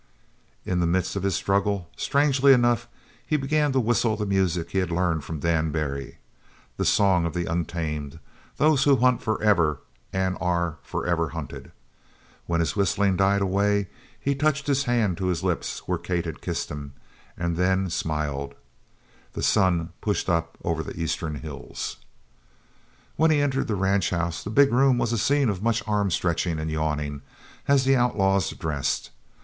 In the midst of his struggle, strangely enough, he began to whistle the music he had learned from Dan Barry, the song of The Untamed, those who hunt for ever, and are for ever hunted. When his whistling died away he touched his hand to his lips where Kate had kissed him, and then smiled. The sun pushed up over the eastern hills. When he entered the ranch house the big room was a scene of much arm stretching and yawning as the outlaws dressed.